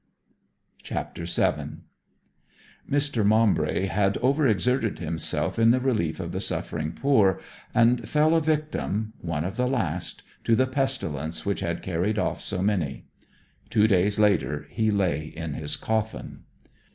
CHAPTER VII Mr. Maumbry had over exerted himself in the relief of the suffering poor, and fell a victim one of the last to the pestilence which had carried off so many. Two days later he lay in his coffin.